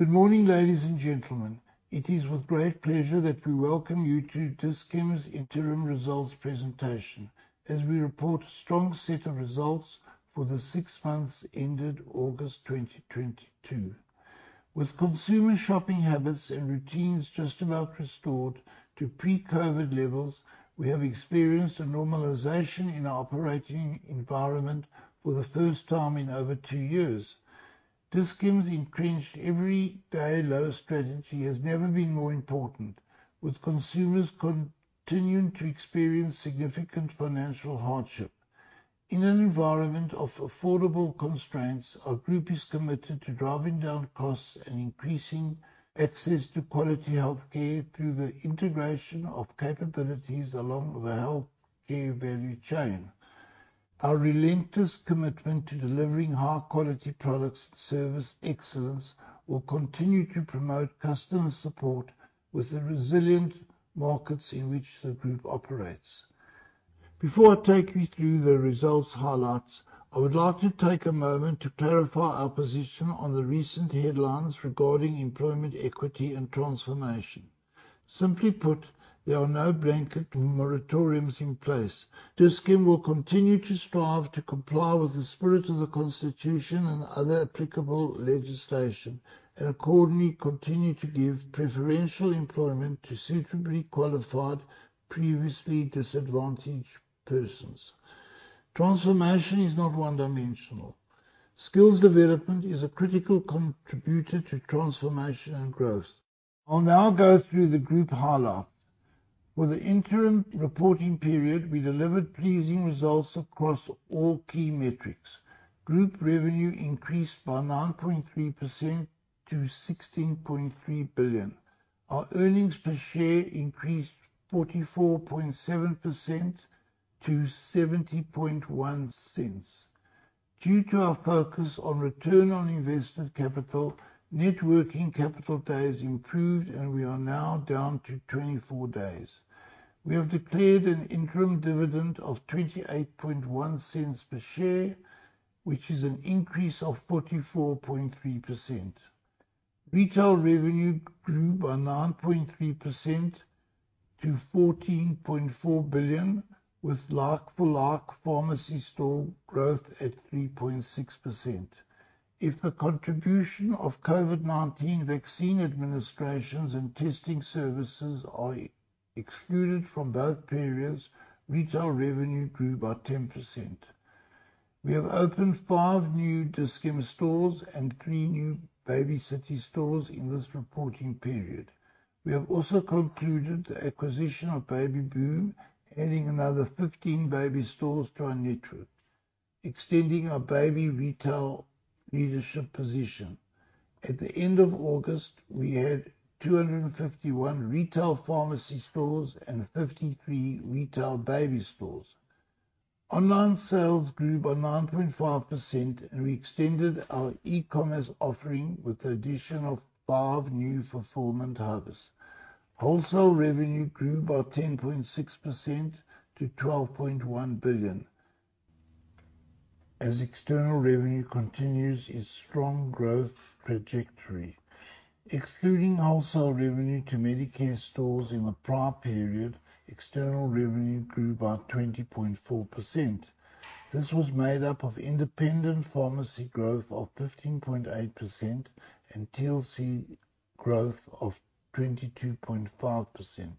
Good morning, ladies and gentlemen. It is with great pleasure that we welcome you to Dis-Chem's interim results presentation, as we report strong set of results for the six months ended August 2022. With consumer shopping habits and routines just about restored to pre-COVID levels, we have experienced a normalization in our operating environment for the first time in over two years. Dis-Chem's entrenched every day low strategy has never been more important, with consumers continuing to experience significant financial hardship. In an environment of affordable constraints, our group is committed to driving down costs and increasing access to quality health care through the integration of capabilities along the healthcare value chain. Our relentless commitment to delivering high-quality products and service excellence will continue to promote customer support with the resilient markets in which the group operates. Before I take you through the results highlights, I would like to take a moment to clarify our position on the recent headlines regarding Employment Equity and transformation. Simply put, there are no blanket moratoriums in place. Dis-Chem will continue to strive to comply with the spirit of the Constitution and other applicable legislation, and accordingly, continue to give preferential employment to suitably qualified previously disadvantaged persons. Transformation is not one-dimensional. Skills development is a critical contributor to transformation and growth. I'll now go through the group highlights. For the interim reporting period, we delivered pleasing results across all key metrics. Group revenue increased by 9.3% to 16.3 billion. Our earnings per share increased 44.7% to 0.701. Due to our focus on return on invested capital, net working capital days improved, and we are now down to 24 days. We have declared an interim dividend of 0.281 per share, which is an increase of 44.3%. Retail revenue grew by 9.3% to 14.4 billion, with like for like pharmacy store growth at 3.6%. If the contribution of COVID-19 vaccine administrations and testing services are excluded from both periods, retail revenue grew by 10%. We have opened five new Dis-Chem stores and three new Baby City stores in this reporting period. We have also concluded the acquisition of Baby Boom, adding another 15 baby stores to our network, extending our baby retail leadership position. At the end of August, we had 251 retail pharmacy stores and 53 retail baby stores. Online sales grew by 9.5%, and we extended our e-commerce offering with the addition of 5 new fulfillment hubs. Wholesale revenue grew by 10.6% to 12.1 billion as external revenue continues its strong growth trajectory. Excluding wholesale revenue to Medicare stores in the prior period, external revenue grew by 20.4%. This was made up of independent pharmacy growth of 15.8% and TLC growth of 22.5%,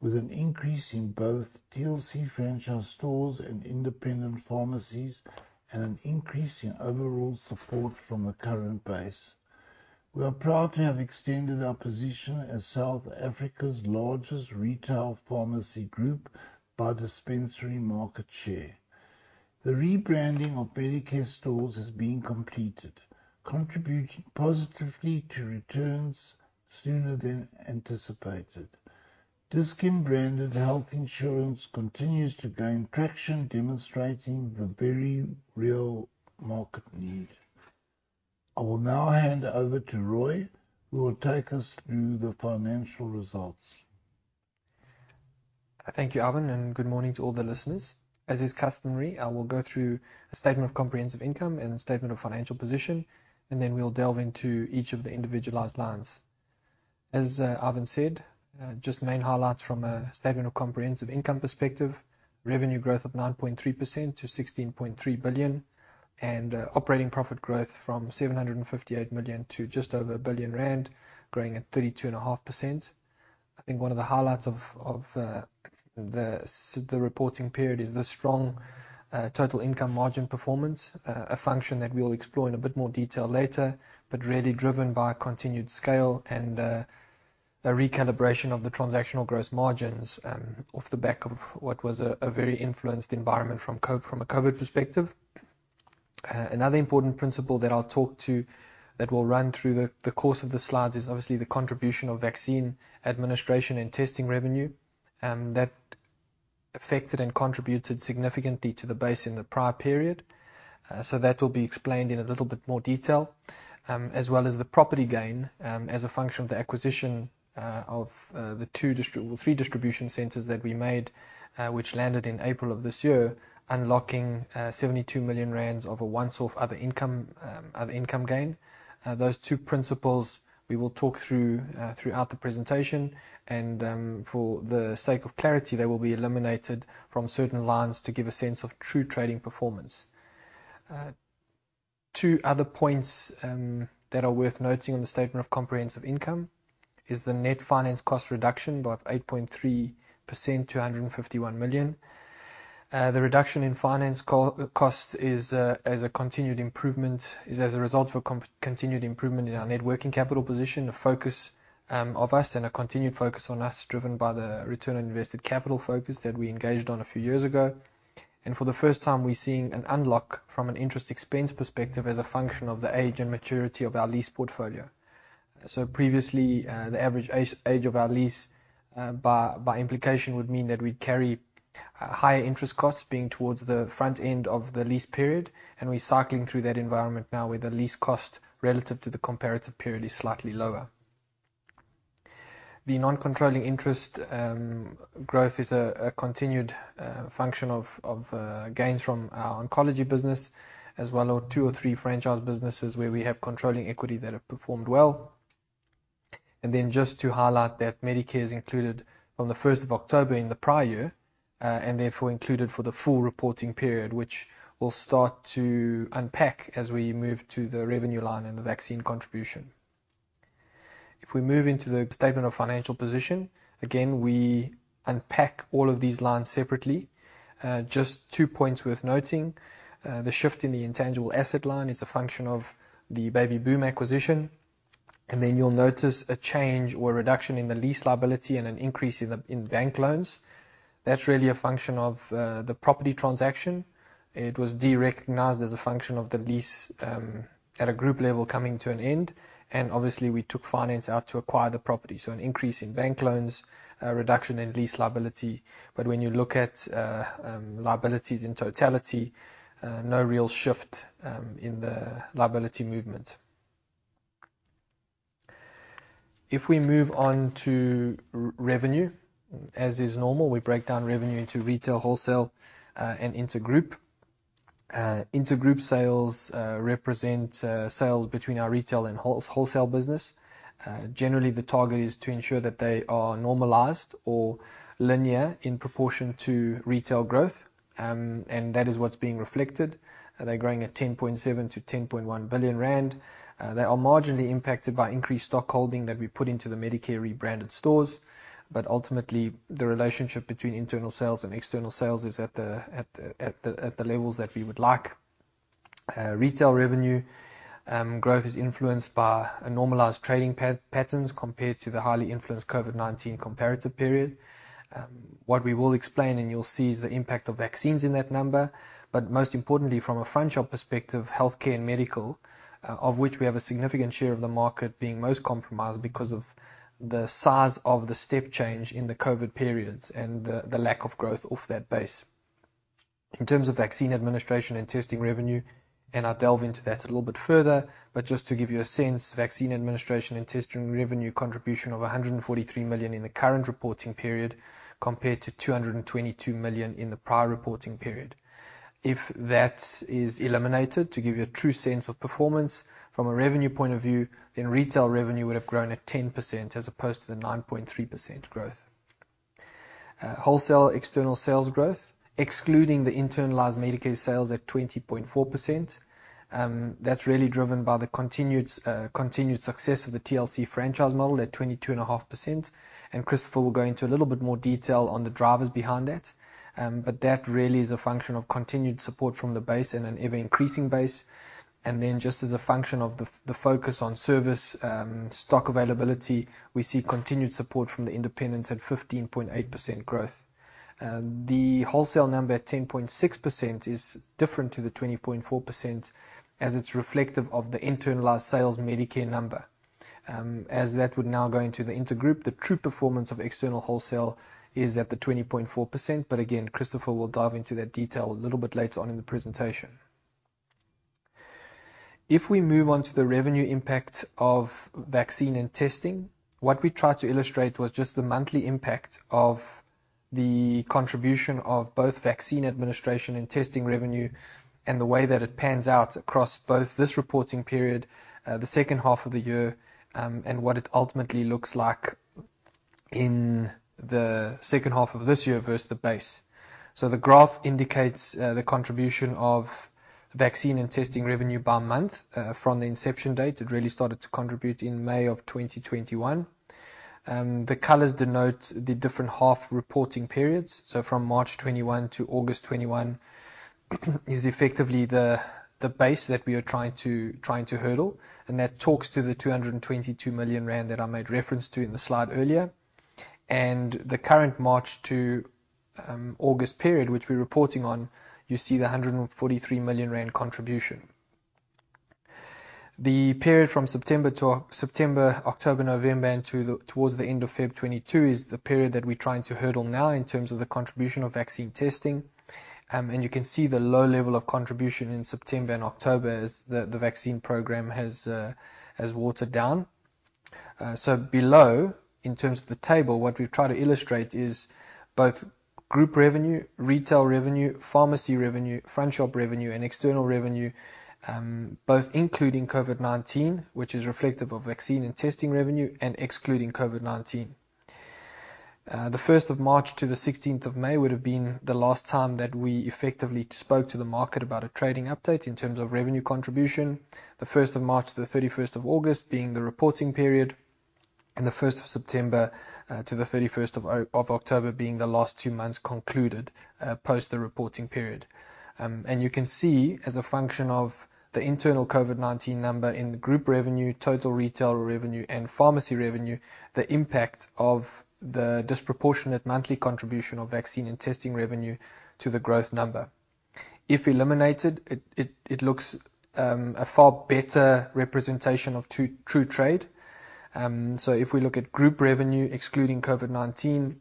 with an increase in both TLC franchise stores and independent pharmacies, and an increase in overall support from the current base. We are proud to have extended our position as South Africa's largest retail pharmacy group by dispensary market share. The rebranding of Medicare stores is being completed, contributing positively to returns sooner than anticipated. Dis-Chem branded health insurance continues to gain traction, demonstrating the very real market need. I will now hand over to Rui, who will take us through the financial results. Thank you, Ivan, and good morning to all the listeners. As is customary, I will go through a statement of comprehensive income and a statement of financial position, and then we'll delve into each of the individualized lines. As Ivan said, just main highlights from a statement of comprehensive income perspective, revenue growth of 9.3% to 16.3 billion and operating profit growth from 758 million to just over 1 billion rand, growing at 32.5%. I think one of the highlights of the reporting period is the strong total income margin performance, a function that we'll explore in a bit more detail later, but really driven by continued scale and a recalibration of the transactional gross margins, off the back of what was a very influenced environment from a COVID perspective. Another important principle that I'll talk to that will run through the course of the slides is obviously the contribution of vaccine administration and testing revenue, that affected and contributed significantly to the base in the prior period. That will be explained in a little bit more detail, as well as the property gain, as a function of the acquisition, of the three distribution centers that we made, which landed in April of this year, unlocking 72 million rand of a once-off other income, other income gain. Those two principles we will talk through throughout the presentation, and for the sake of clarity, they will be eliminated from certain lines to give a sense of true trading performance. Two other points that are worth noting in the statement of comprehensive income is the net finance cost reduction by 8.3% to 151 million. The reduction in finance cost is as a result of a continued improvement in our net working capital position, a focus on us and a continued focus on us driven by the return on invested capital focus that we engaged on a few years ago. For the first time, we're seeing an unlock from an interest expense perspective as a function of the age and maturity of our lease portfolio. Previously, the average age of our lease, by implication, would mean that we'd carry higher interest costs being towards the front end of the lease period, and we're cycling through that environment now, where the lease cost relative to the comparative period is slightly lower. The non-controlling interest growth is a continued function of gains from our oncology business, as well as two or three franchise businesses where we have controlling equity that have performed well. Then just to highlight that Medicare is included from the first of October in the prior, and therefore included for the full reporting period, which we'll start to unpack as we move to the revenue line and the vaccine contribution. If we move into the statement of financial position, again, we unpack all of these lines separately. Just two points worth noting. The shift in the intangible asset line is a function of the Baby Boom acquisition, and then you'll notice a change or reduction in the lease liability and an increase in bank loans. That's really a function of the property transaction. It was derecognized as a function of the lease, at a group level coming to an end, and obviously, we took finance out to acquire the property, so an increase in bank loans, a reduction in lease liability. When you look at liabilities in totality, no real shift in the liability movement. If we move on to revenue, as is normal, we break down revenue into retail, wholesale, and intergroup. Intergroup sales represent sales between our retail and wholesale business. Generally, the target is to ensure that they are normalized or linear in proportion to retail growth. That is what's being reflected. They're growing at 10.7 billion-10.1 billion rand. They are marginally impacted by increased stock holding that we put into the Medicare rebranded stores. Ultimately, the relationship between internal sales and external sales is at the levels that we would like. Retail revenue growth is influenced by normalized trading patterns compared to the highly influenced COVID-19 comparative period. What we will explain, and you'll see, is the impact of vaccines in that number, but most importantly, from a franchise perspective, healthcare and medical, of which we have a significant share of the market being most compromised because of the size of the step change in the COVID periods and the lack of growth off that base. In terms of vaccine administration and testing revenue, and I'll delve into that a little bit further, but just to give you a sense, vaccine administration and testing revenue contribution of 143 million in the current reporting period, compared to 222 million in the prior reporting period. If that is eliminated, to give you a true sense of performance from a revenue point of view, then retail revenue would have grown at 10% as opposed to the 9.3% growth. Wholesale external sales growth, excluding the internalized Medicare sales at 20.4%, that's really driven by the continued success of the TLC franchise model at 22.5%. Christopher will go into a little bit more detail on the drivers behind that. That really is a function of continued support from the base and an ever-increasing base. Then just as a function of the focus on service, stock availability, we see continued support from the independents at 15.8% growth. The wholesale number at 10.6% is different to the 20.4%, as it's reflective of the internalized sales Medicare number. As that would now go into the intergroup, the true performance of external wholesale is at the 20.4%. Again, Christopher will dive into that detail a little bit later on in the presentation. If we move on to the revenue impact of vaccine and testing, what we tried to illustrate was just the monthly impact of the contribution of both vaccine administration and testing revenue and the way that it pans out across both this reporting period, the second half of the year, and what it ultimately looks like in the second half of this year versus the base. The graph indicates the contribution of vaccine and testing revenue by month from the inception date. It really started to contribute in May 2021. The colors denote the different half reporting periods. From March 2021 to August 2021 is effectively the base that we are trying to hurdle. That talks to the 222 million rand that I made reference to in the slide earlier. The current March to August period, which we're reporting on, you see the 143 million rand contribution. The period from September, October, November and towards the end of February 2022 is the period that we're trying to hurdle now in terms of the contribution of vaccine testing. You can see the low level of contribution in September and October as the vaccine program has watered down. So below, in terms of the table, what we've tried to illustrate is both group revenue, retail revenue, pharmacy revenue, franchise revenue, and external revenue, both including COVID-19, which is reflective of vaccine and testing revenue and excluding COVID-19. The 1st of March to the 16th of May would have been the last time that we effectively spoke to the market about a trading update in terms of revenue contribution. The 1st of March to the 31st of August being the reporting period, and the 1st of September to the 31st of October being the last two months concluded post the reporting period. You can see as a function of the internal COVID-19 number in the group revenue, total retail revenue, and pharmacy revenue, the impact of the disproportionate monthly contribution of vaccine and testing revenue to the growth number. If eliminated, it looks a far better representation of true trade. If we look at group revenue excluding COVID-19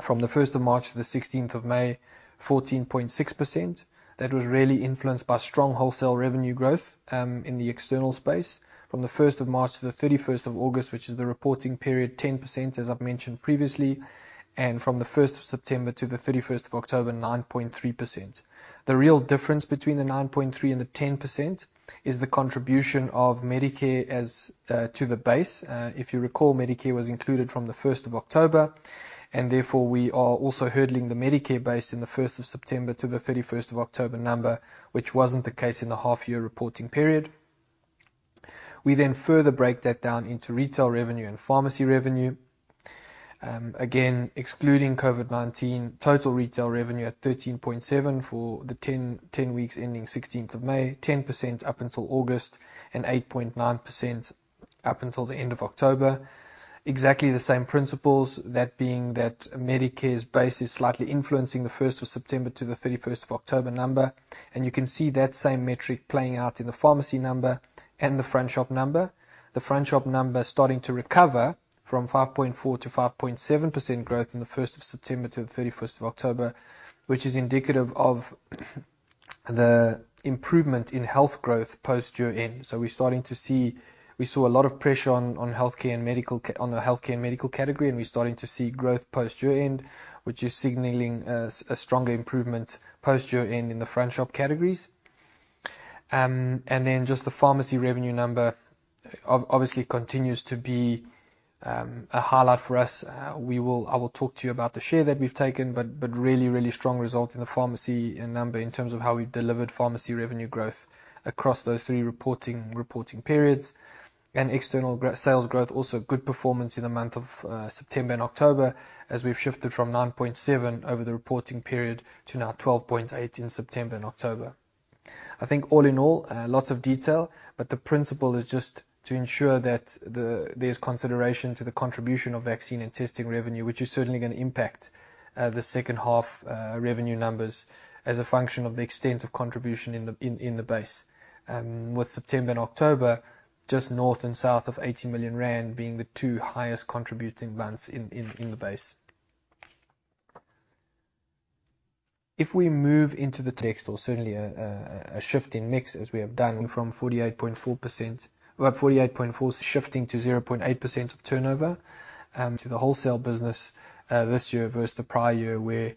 from the 1st of March to the sixteenth of May, 14.6%. That was really influenced by strong wholesale revenue growth in the external space. From the 1st of March to the 31st of August, which is the reporting period, 10%, as I've mentioned previously, and from the 1st of September to the 31st of October, 9.3%. The real difference between the 9.3% and the 10% is the contribution of Medicare as to the base. If you recall, Medicare was included from the 1st of October, and therefore we are also hurdling the Medicare base in the 1st of September to the 31st of October number, which wasn't the case in the half year reporting period. We then further break that down into retail revenue and pharmacy revenue. Again, excluding COVID-19, total retail revenue at 13.7 for the 10 weeks ending 16th of May, 10% up until August, and 8.9% up until the end of October. Exactly the same principles, that being that Medicare's base is slightly influencing the 1st of September to the 31st of October number, and you can see that same metric playing out in the pharmacy number and the franchise number. The franchise number starting to recover from 5.4%-5.7% growth in the 1st of September to the 31st of October, which is indicative of the improvement in health growth post year-end. We're starting to see. We saw a lot of pressure on healthcare and medical category, and we're starting to see growth post year-end, which is signaling a stronger improvement post year-end in the franchise categories. Then just the pharmacy revenue number obviously continues to be a highlight for us. I will talk to you about the share that we've taken, but really strong result in the pharmacy number in terms of how we've delivered pharmacy revenue growth across those three reporting periods. External gross sales growth, also good performance in the month of September and October as we've shifted from 9.7% over the reporting period to now 12.8% in September and October. I think all in all, lots of detail, but the principle is just to ensure that the. There's consideration to the contribution of vaccine and testing revenue, which is certainly gonna impact the second half revenue numbers as a function of the extent of contribution in the base. With September and October, just north and south of 80 million rand being the two highest contributing months in the base. If we move into the next or certainly a shift in mix as we have done from 48.4% Well, 48.4% shifting to 0.8% of turnover to the wholesale business this year versus the prior year where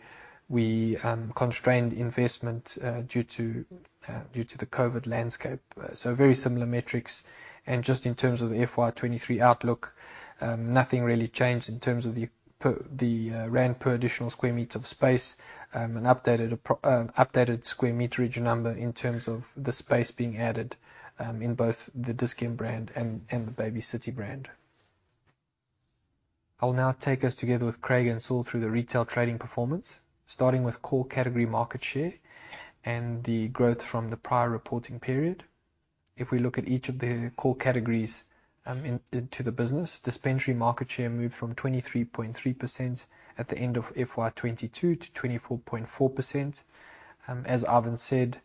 we constrained investment due to the COVID landscape. Very similar metrics. Just in terms of the FY 2023 outlook, nothing really changed in terms of the per- The rand per additional square meters of space, and updated square meterage number in terms of the space being added, in both the Dis-Chem brand and the Baby City brand. I will now take us together with Craig and Saul through the retail trading performance, starting with core category market share and the growth from the prior reporting period. If we look at each of the core categories into the business, dispensary market share moved from 23.3% at the end of FY 2022 to 24.4%. As Ivan said,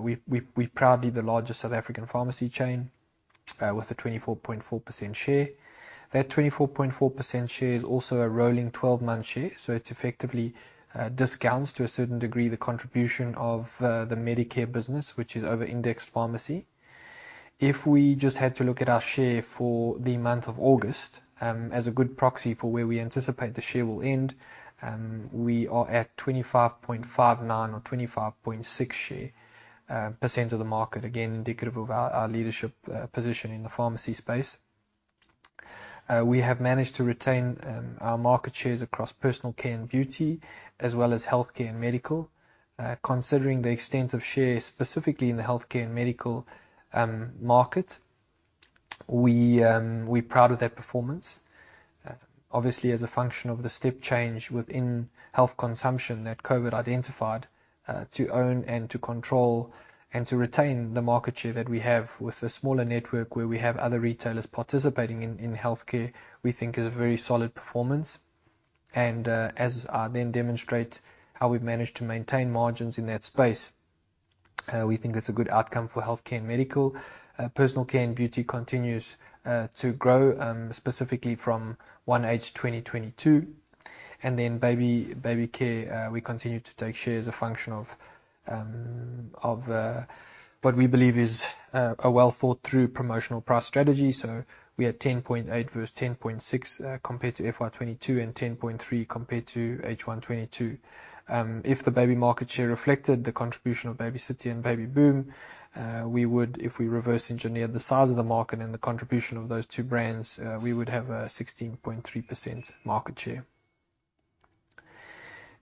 we're proudly the largest South African pharmacy chain, with a 24.4% share. That 24.4% share is also a rolling 12-month share. It effectively discounts to a certain degree the contribution of the Medicare business, which is over-indexed pharmacy. If we just had to look at our share for the month of August, as a good proxy for where we anticipate the share will end, we are at 25.59% or 25.6% share of the market, again, indicative of our leadership position in the pharmacy space. We have managed to retain our market shares across personal care and beauty as well as healthcare and medical. Considering the extent of shares specifically in the healthcare and medical market, we're proud of that performance. Obviously, as a function of the step change within health consumption that COVID identified, to own and to control and to retain the market share that we have with a smaller network where we have other retailers participating in healthcare, we think is a very solid performance. As I then demonstrate how we've managed to maintain margins in that space, we think it's a good outcome for healthcare and medical. Personal care and beauty continues to grow, specifically from H1 2022. Baby care, we continue to take share as a function of what we believe is a well-thought-through promotional price strategy. We had 10.8% versus 10.6%, compared to FY 2022 and 10.3% compared to H1 2022. If the baby market share reflected the contribution of Baby City and Baby Boom, if we reverse engineer the size of the market and the contribution of those two brands, we would have a 16.3% market share.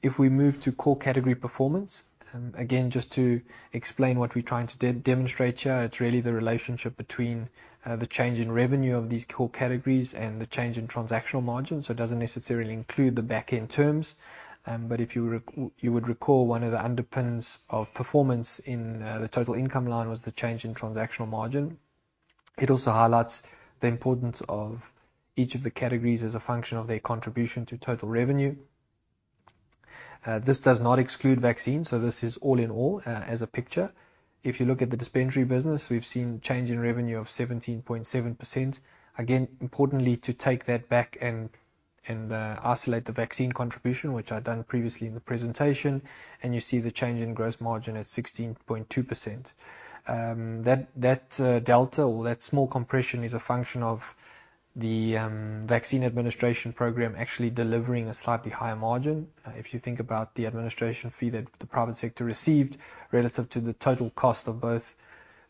If we move to core category performance, again, just to explain what we're trying to demonstrate here, it's really the relationship between the change in revenue of these core categories and the change in transactional margin. It doesn't necessarily include the back-end terms. If you would recall one of the underpins of performance in the total income line was the change in transactional margin. It also highlights the importance of each of the categories as a function of their contribution to total revenue. This does not exclude vaccines, so this is all in all, as a picture. If you look at the dispensary business, we've seen change in revenue of 17.7%. Again, importantly to take that back and isolate the vaccine contribution, which I'd done previously in the presentation, and you see the change in gross margin at 16.2%. That delta or that small compression is a function of the vaccine administration program actually delivering a slightly higher margin. If you think about the administration fee that the private sector received relative to the total cost of both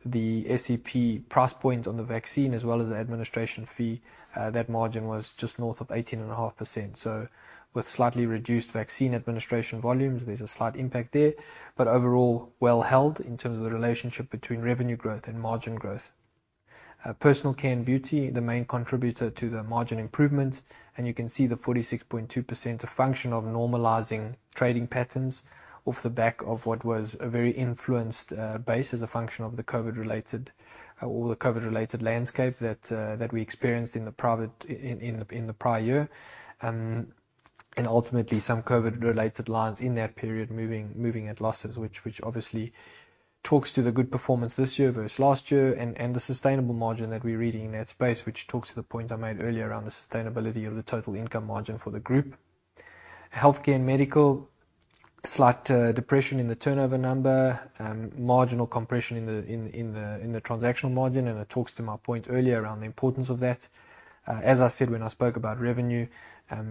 the SEP price point on the vaccine as well as the administration fee, that margin was just north of 18.5%. With slightly reduced vaccine administration volumes, there's a slight impact there, but overall well held in terms of the relationship between revenue growth and margin growth. Personal care and beauty, the main contributor to the margin improvement, and you can see the 46.2% a function of normalizing trading patterns off the back of what was a very influenced base as a function of the COVID-related landscape that we experienced in the prior year. Ultimately some COVID-related lines in that period moving at losses which obviously talks to the good performance this year versus last year and the sustainable margin that we're reading in that space, which talks to the point I made earlier around the sustainability of the total income margin for the group. Healthcare and medical, slight depression in the turnover number. Marginal compression in the transactional margin, and it talks to my point earlier around the importance of that. As I said when I spoke about revenue,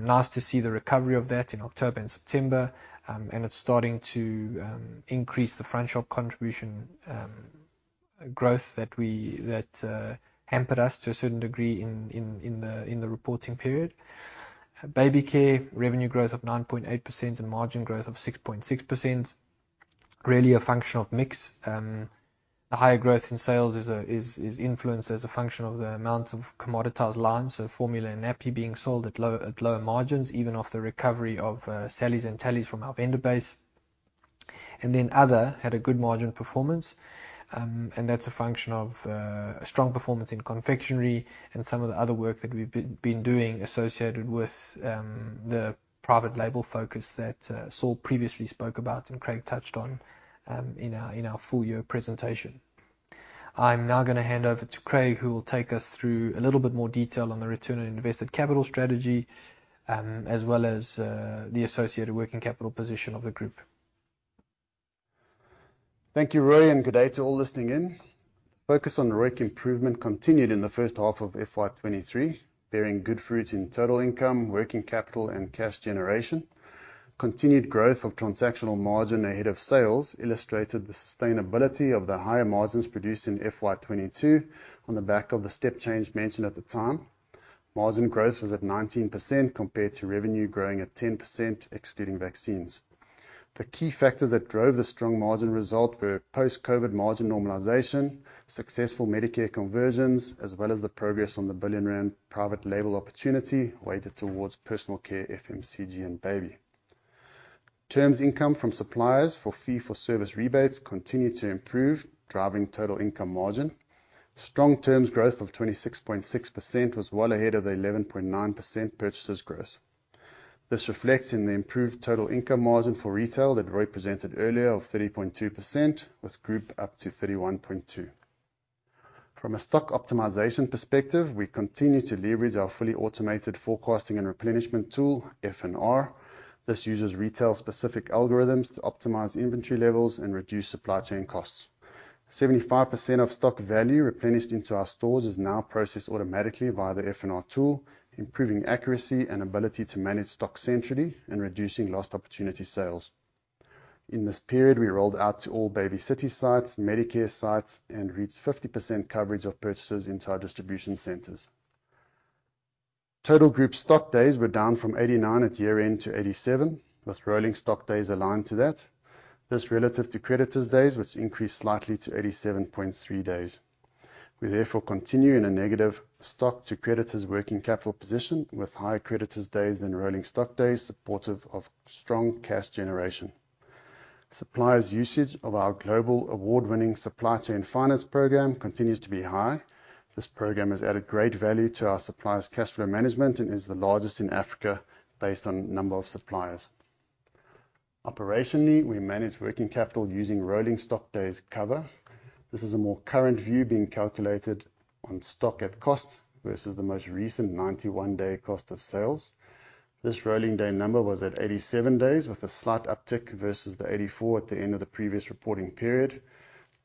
nice to see the recovery of that in October and September. It's starting to increase the franchise contribution growth that hampered us to a certain degree in the reporting period. Baby care, revenue growth of 9.8% and margin growth of 6.6%, really a function of mix. The higher growth in sales is influenced as a function of the amount of commoditized lines, so formula and nappy being sold at lower margins even off the recovery of Cellis and Tellis from our vendor base. Then other had a good margin performance, and that's a function of a strong performance in confectionery and some of the other work that we've been doing associated with the private label focus that Saul previously spoke about and Craig touched on in our full year presentation. I'm now gonna hand over to Craig, who will take us through a little bit more detail on the return on invested capital strategy, as well as the associated working capital position of the group. Thank you, Rui, and good day to all listening in. Focus on ROIC improvement continued in the first half of FY 2023, bearing good fruit in total income, working capital, and cash generation. Continued growth of transactional margin ahead of sales illustrated the sustainability of the higher margins produced in FY 2022 on the back of the step change mentioned at the time. Margin growth was at 19% compared to revenue growing at 10% excluding vaccines. The key factors that drove the strong margin result were post-COVID margin normalization, successful Medicare conversions, as well as the progress on the 1 billion rand private label opportunity weighted towards personal care, FMCG and baby. Terms income from suppliers for fee for service rebates continued to improve, driving total income margin. Strong terms growth of 26.6% was well ahead of the 11.9% purchases growth. This reflects in the improved total income margin for retail that Rui Morais presented earlier of 30.2%, with group up to 31.2%. From a stock optimization perspective, we continue to leverage our fully automated forecasting and replenishment tool, FNR. This uses retail specific algorithms to optimize inventory levels and reduce supply chain costs. 75% of stock value replenished into our stores is now processed automatically via the FNR tool, improving accuracy and ability to manage stock centrally and reducing lost opportunity sales. In this period, we rolled out to all Baby City sites, Medicare sites, and reached 50% coverage of purchases into our distribution centers. Total group stock days were down from 89 at year-end to 87, with rolling stock days aligned to that. This relative to creditors' days, which increased slightly to 87.3 days. We therefore continue in a negative stock to creditors working capital position, with higher creditors' days than rolling stock days supportive of strong cash generation. Supplier's usage of our global award-winning supply chain finance program continues to be high. This program has added great value to our suppliers' cash flow management and is the largest in Africa based on number of suppliers. Operationally, we manage working capital using rolling stock days cover. This is a more current view being calculated on stock at cost versus the most recent 91-day cost of sales. This rolling day number was at 87 days, with a slight uptick versus the 84 at the end of the previous reporting period.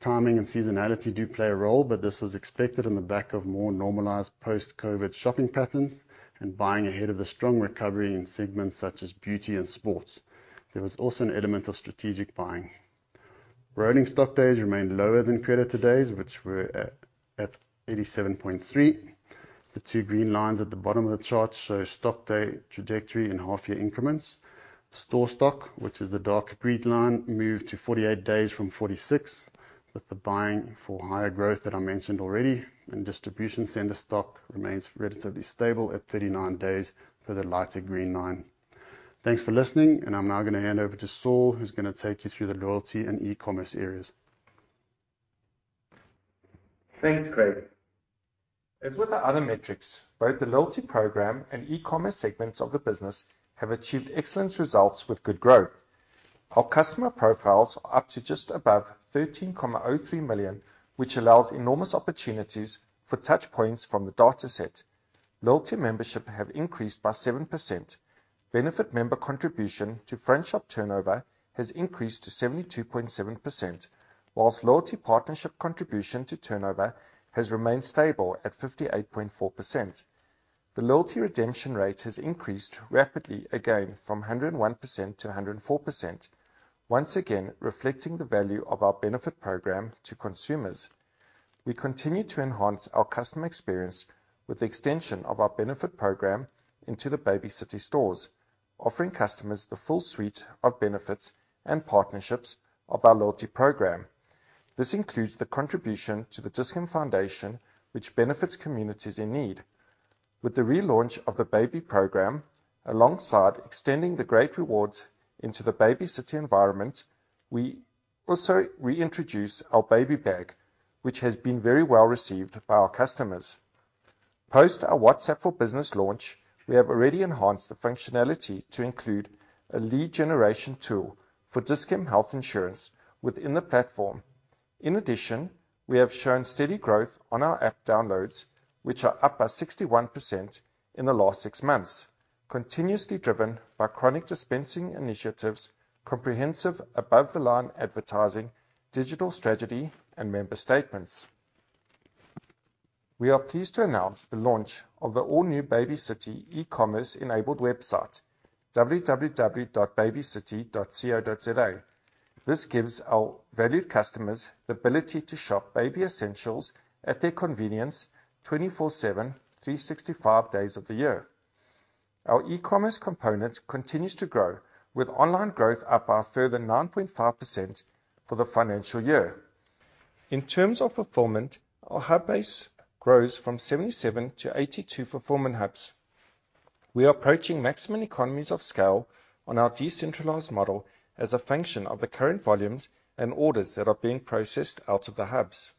Timing and seasonality do play a role, but this was expected on the back of more normalized post-COVID shopping patterns and buying ahead of the strong recovery in segments such as beauty and sports. There was also an element of strategic buying. Rolling stock days remained lower than credit days, which were at 87.3. The two green lines at the bottom of the chart show stock days trajectory in half year increments. Store stock, which is the darker green line, moved to 48 days from 46, with the buying for higher growth that I mentioned already. Distribution center stock remains relatively stable at 39 days for the lighter green line. Thanks for listening, and I'm now gonna hand over to Saul, who's gonna take you through the loyalty and e-commerce areas. Thanks, Craig. As with the other metrics, both the loyalty program and e-commerce segments of the business have achieved excellent results with good growth. Our customer profiles are up to just above 13.03 million, which allows enormous opportunities for touch points from the data set. Loyalty membership have increased by 7%. Benefit member contribution to franchise turnover has increased to 72.7%, while loyalty partnership contribution to turnover has remained stable at 58.4%. The loyalty redemption rate has increased rapidly again from 101% to 104%, once again, reflecting the value of our Benefit Program to consumers. We continue to enhance our customer experience with the extension of our Benefit Program into the Baby City stores, offering customers the full suite of benefits and partnerships of our loyalty program. This includes the contribution to the Dis-Chem Foundation, which benefits communities in need. With the relaunch of the Baby program, alongside extending the great rewards into the Baby City environment, we also reintroduce our baby bag, which has been very well received by our customers. Post our WhatsApp Business launch, we have already enhanced the functionality to include a lead generation tool for Dis-Chem Health within the platform. In addition, we have shown steady growth on our app downloads, which are up by 61% in the last six months, continuously driven by chronic dispensing initiatives, comprehensive above the line advertising, digital strategy, and member statements. We are pleased to announce the launch of the all new Baby City e-commerce enabled website, www.babycity.co.za. This gives our valued customers the ability to shop baby essentials at their convenience, 24/7, 365 days of the year. Our e-commerce component continues to grow, with online growth up by a further 9.5% for the financial year. In terms of fulfillment, our hub base grows from 77 to 82 fulfillment hubs. We are approaching maximum economies of scale on our decentralized model as a function of the current volumes and orders that are being processed out of the hubs.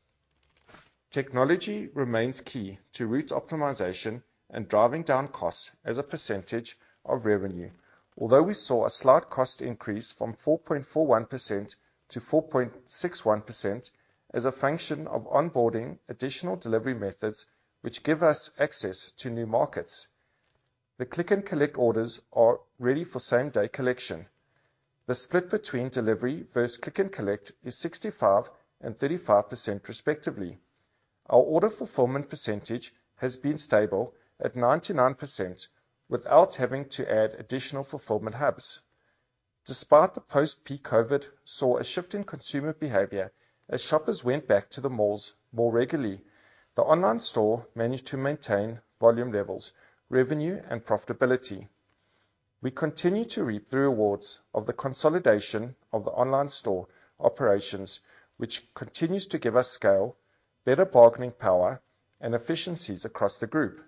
Technology remains key to route optimization and driving down costs as a percentage of revenue. Although we saw a slight cost increase from 4.41% to 4.61% as a function of onboarding additional delivery methods, which give us access to new markets. The Click and Collect orders are ready for same-day collection. The split between delivery versus Click and Collect is 65% and 35% respectively. Our order fulfillment percentage has been stable at 99% without having to add additional fulfillment hubs. Despite the post-peak COVID-19, we saw a shift in consumer behavior as shoppers went back to the malls more regularly, the online store managed to maintain volume levels, revenue, and profitability. We continue to reap the rewards of the consolidation of the online store operations, which continues to give us scale, better bargaining power, and efficiencies across the group.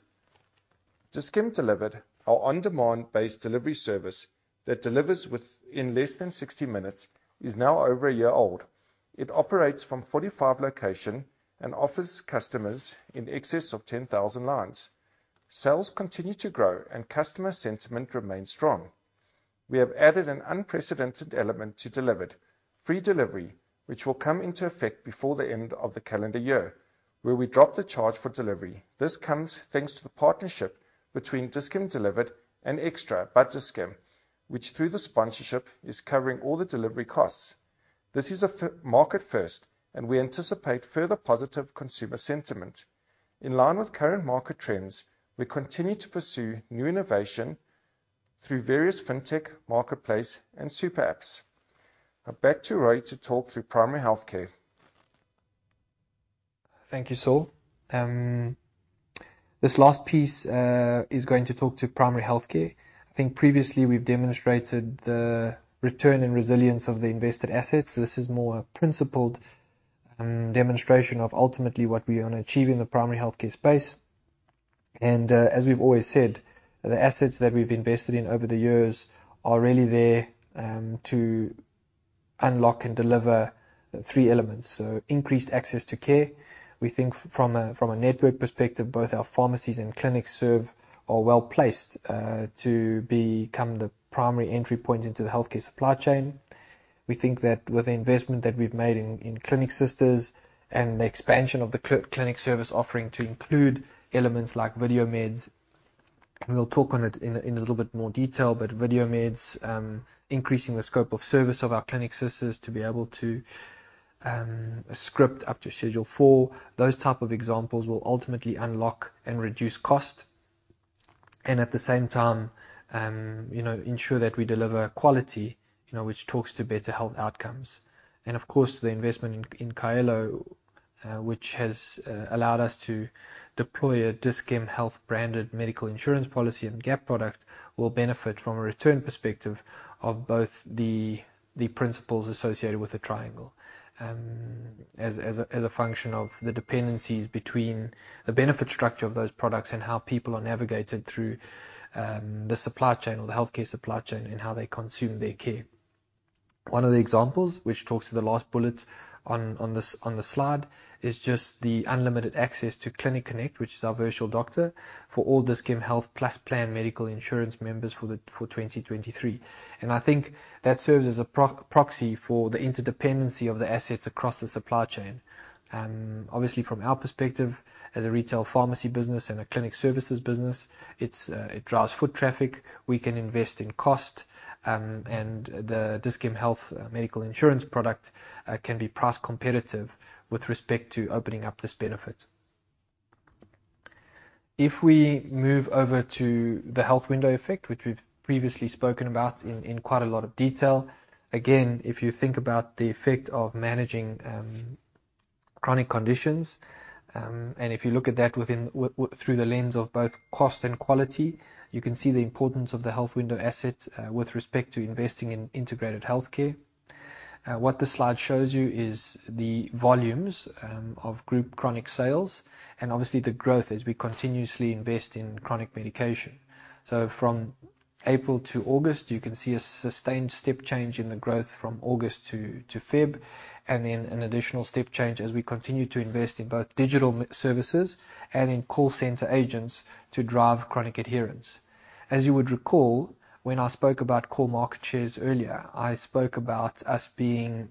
Dis-Chem DeliverD, our on-demand based delivery service that delivers within less than 60-minutes, is now over a year old. It operates from 45 locations and offers customers in excess of 10,000 lines. Sales continue to grow, and customer sentiment remains strong. We have added an unprecedented element to DeliverD, free delivery, which will come into effect before the end of the calendar year, where we drop the charge for delivery. This comes thanks to the partnership between Dis-Chem DeliverD and extraRewards by Dis-Chem, which through the sponsorship, is covering all the delivery costs. This is a market first, and we anticipate further positive consumer sentiment. In line with current market trends, we continue to pursue new innovation through various fintech marketplace and super apps. Now back to Rui to talk through primary healthcare. Thank you, Saul. This last piece is going to talk to primary healthcare. I think previously we've demonstrated the return and resilience of the invested assets. This is more a principled demonstration of ultimately what we wanna achieve in the primary healthcare space. As we've always said, the assets that we've invested in over the years are really there to unlock and deliver three elements. Increased access to care. We think from a network perspective, both our pharmacies and clinics are well-placed to become the primary entry point into the healthcare supply chain. We think that with the investment that we've made in Clinic Sisters and the expansion of the clinic service offering to include elements like VideoMed, we'll talk on it in a little bit more detail, but VideoMed, increasing the scope of service of our Clinic Sisters to be able to script up to Schedule Four, those type of examples will ultimately unlock and reduce cost and at the same time, you know, ensure that we deliver quality, you know, which talks to better health outcomes. Of course, the investment in Kaelo, which has allowed us to deploy a Dis-Chem Health branded medical insurance policy and gap product will benefit from a return perspective of both the principles associated with the triangle, as a function of the dependencies between the benefit structure of those products and how people are navigated through the supply chain or the healthcare supply chain and how they consume their care. One of the examples which talks to the last bullet on this slide is just the unlimited access to Clinic Connect, which is our virtual doctor for all MyHealth Plus medical insurance members for 2023. I think that serves as a proxy for the interdependency of the assets across the supply chain. Obviously from our perspective as a retail pharmacy business and a clinic services business, it drives foot traffic. We can invest in cost, and the Dis-Chem Health medical insurance product can be price competitive with respect to opening up this benefit. If we move over to the Health Window effect, which we've previously spoken about in quite a lot of detail, again, if you think about the effect of managing chronic conditions, and if you look at that through the lens of both cost and quality, you can see the importance of the Health Window asset with respect to investing in integrated healthcare. What this slide shows you is the volumes of group chronic sales and obviously the growth as we continuously invest in chronic medication. From April to August, you can see a sustained step change in the growth from August to Feb, and then an additional step change as we continue to invest in both digital m-services and in call center agents to drive chronic adherence. As you would recall, when I spoke about core market shares earlier, I spoke about us being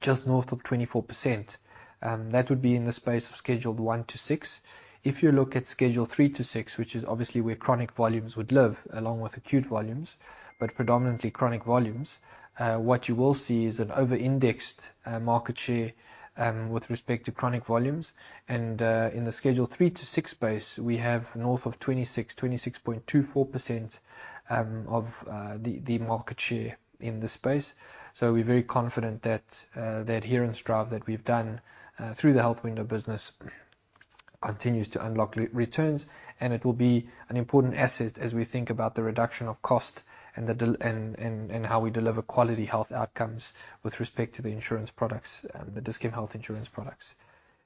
just north of 24%. That would be in the space of Schedule One to Six. If you look at Schedule Three to Six, which is obviously where chronic volumes would live along with acute volumes, but predominantly chronic volumes, what you will see is an over-indexed market share with respect to chronic volumes. In the Schedule Three to Six space, we have north of 26.24% of the market share in the space. We're very confident that the adherence drive that we've done through the Health Window business continues to unlock returns, and it will be an important asset as we think about the reduction of cost and how we deliver quality health outcomes with respect to the insurance products, the Dis-Chem Health insurance products.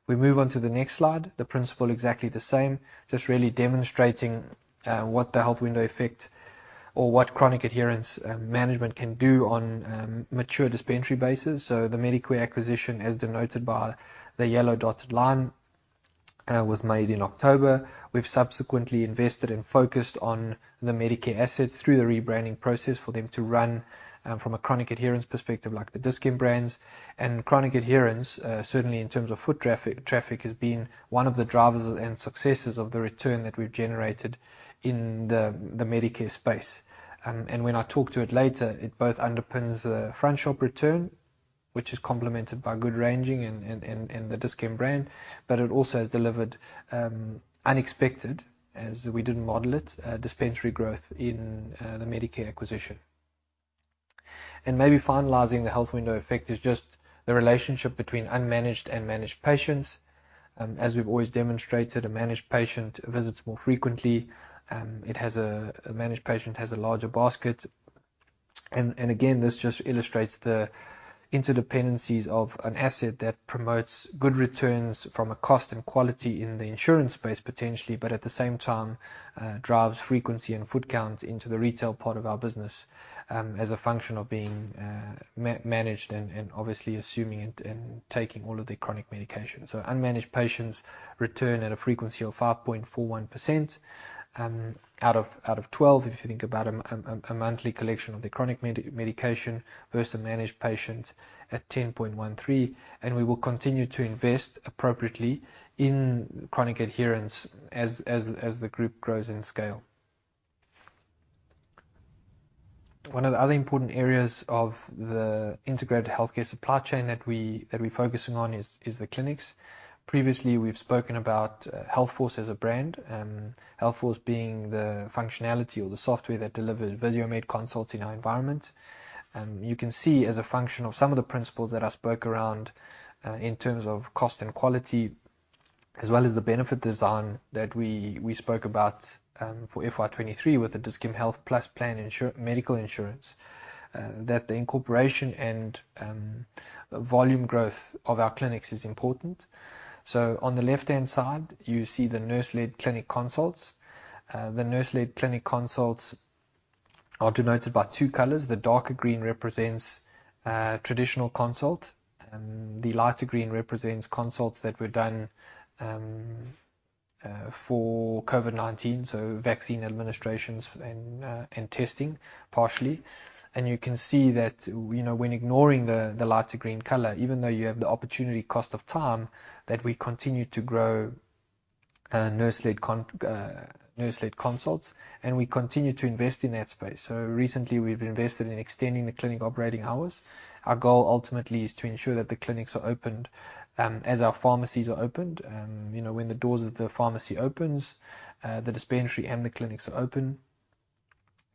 We move on to the next slide. The principle exactly the same, just really demonstrating what the Health Window effect or what chronic adherence management can do on mature dispensary basis. The Medicare acquisition, as denoted by the yellow dotted line, was made in October. We've subsequently invested and focused on the Medicare assets through the rebranding process for them to run from a chronic adherence perspective like the Dis-Chem brands. Chronic adherence certainly in terms of foot traffic has been one of the drivers and successes of the return that we've generated in the Medicare space. When I talk to it later, it both underpins the front shop return, which is complemented by good ranging and the Dis-Chem brand, but it also has delivered unexpected as we didn't model it, dispensary growth in the Medicare acquisition. Maybe finalizing the Health Window effect is just the relationship between unmanaged and managed patients. As we've always demonstrated, a managed patient visits more frequently. It has a managed patient has a larger basket. Again, this just illustrates the interdependencies of an asset that promotes good returns from a cost and quality in the insurance space potentially, but at the same time, drives frequency and foot count into the retail part of our business, as a function of being managed and obviously consuming it and taking all of the chronic medication. Unmanaged patients return at a frequency of 5.41%, out of 12% if you think about a monthly collection of the chronic medication versus a managed patient at 10.13%. We will continue to invest appropriately in chronic adherence as the group grows in scale. One of the other important areas of the integrated healthcare supply chain that we're focusing on is the clinics. Previously, we've spoken about Healthforce as a brand, Healthforce being the functionality or the software that delivered VideoMed consults in our environment. You can see as a function of some of the principles that I spoke around in terms of cost and quality as well as the benefit design that we spoke about for FY 2023 with the MyHealth Plus medical insurance, that the incorporation and the volume growth of our clinics is important. On the left-hand side, you see the nurse-led clinic consults. The nurse-led clinic consults are denoted by two colors. The darker green represents traditional consult, the lighter green represents consults that were done for COVID-19, vaccine administrations and testing partially. You can see that, when ignoring the lighter green color, even though you have the opportunity cost of time that we continue to grow nurse-led consults, and we continue to invest in that space. Recently we've invested in extending the clinic operating hours. Our goal ultimately is to ensure that the clinics are opened as our pharmacies are opened. You know, when the doors of the pharmacy opens, the dispensary and the clinics are open.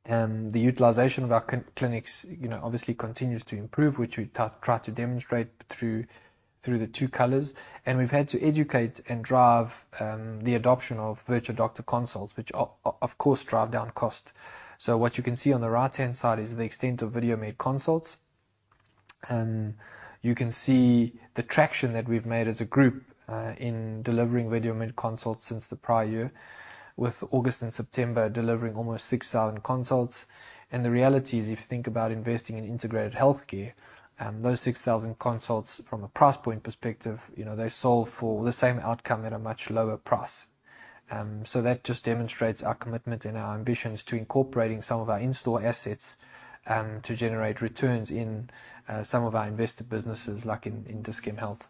The utilization of our clinics, you know, obviously continues to improve, which we try to demonstrate through the two colors. We've had to educate and drive the adoption of virtual doctor consults, which of course drive down cost. What you can see on the right-hand side is the extent of VideoMed consults. You can see the traction that we've made as a group, in delivering VideoMed consults since the prior year, with August and September delivering almost 6,000 consults. The reality is, if you think about investing in integrated healthcare, those 6,000 consults from a price point perspective, you know, they solve for the same outcome at a much lower price. That just demonstrates our commitment and our ambitions to incorporating some of our in-store assets, to generate returns in some of our invested businesses, like in Dis-Chem Health.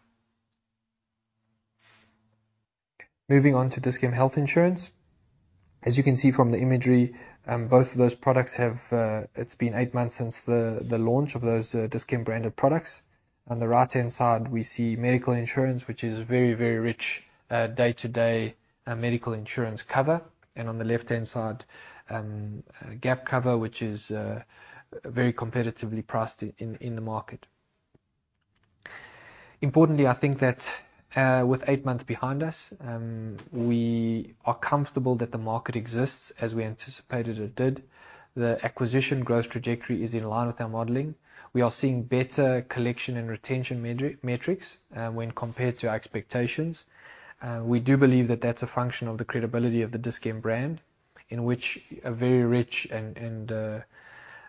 Moving on to Dis-Chem Health. As you can see from the imagery, it's been 8 months since the launch of those Dis-Chem branded products. On the right-hand side, we see medical insurance, which is very, very rich, day-to-day, medical insurance cover. On the left-hand side, gap cover, which is very competitively priced in the market. Importantly, I think that, with eight months behind us, we are comfortable that the market exists as we anticipated it did. The acquisition growth trajectory is in line with our modeling. We are seeing better collection and retention metrics when compared to our expectations. We do believe that that's a function of the credibility of the Dis-Chem brand, in which a very rich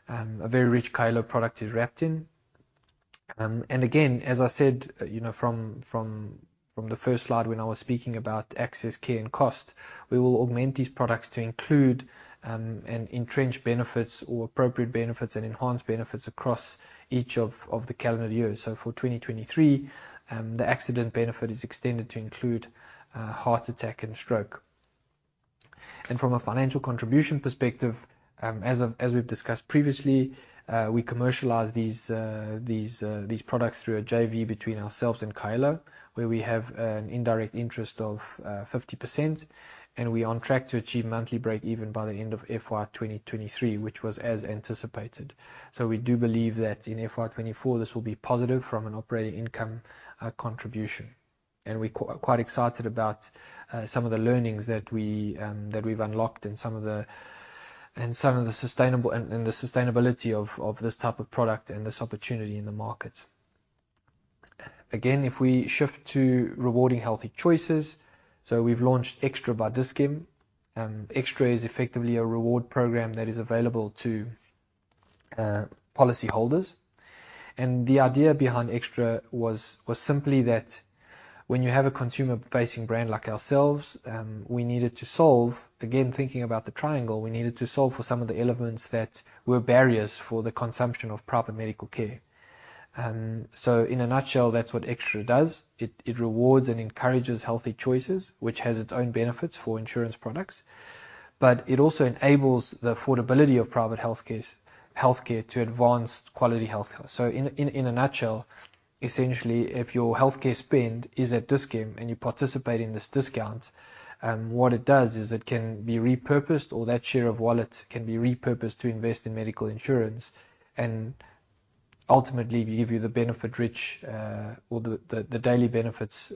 Kaelo product is wrapped in. Again, as I said, you know, from the first slide when I was speaking about access, care and cost, we will augment these products to include and entrench benefits or appropriate benefits and enhanced benefits across each of the calendar year. For 2023, the accident benefit is extended to include heart attack and stroke. From a financial contribution perspective, as we've discussed previously, we commercialize these products through a JV between ourselves and Kaelo, where we have an indirect interest of 50%, and we're on track to achieve monthly breakeven by the end of FY 2023, which was as anticipated. We do believe that in FY 2024, this will be positive from an operating income contribution. We're quite excited about some of the learnings that we've unlocked and some of the sustainability of this type of product and this opportunity in the market. Again, if we shift to rewarding healthy choices. We've launched extraRewards by Dis-Chem. extraRewards is effectively a reward program that is available to policyholders. The idea behind extraRewards was simply that when you have a consumer-facing brand like ourselves, we needed to solve for some of the elements that were barriers for the consumption of private medical care. In a nutshell, that's what extraRewards does. It rewards and encourages healthy choices, which has its own benefits for insurance products, but it also enables the affordability of private healthcare to advanced quality healthcare. In a nutshell, essentially, if your healthcare spend is at Dis-Chem and you participate in this discount, what it does is it can be repurposed or that share of wallet can be repurposed to invest in medical insurance and ultimately give you the benefit rich or the daily benefits